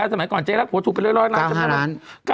สมัยก่อนเจ๊รักผัวถูกไปร้อยล้าน